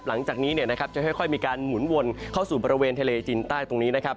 หลังจากนี้เนี่ยนะครับจะค่อยมีการหมุนวนเข้าสู่บริเวณทะเลจีนใต้ตรงนี้นะครับ